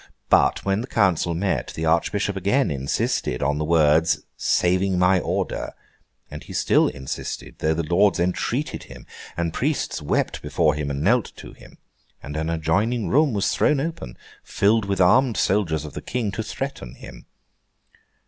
But when the council met, the Archbishop again insisted on the words 'saying my order;' and he still insisted, though lords entreated him, and priests wept before him and knelt to him, and an adjoining room was thrown open, filled with armed soldiers of the King, to threaten him.